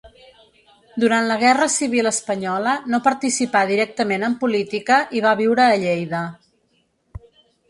Durant la Guerra civil espanyola no participà directament en política i va viure a Lleida.